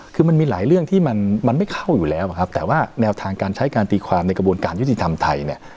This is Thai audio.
คือมันมีหลายเรื่องที่มันไม่เข้าอยู่แล้วครับแต่ว่าแนวทางการใช้การตีความในกระบวนการยุติธรรมไทยเนี่ย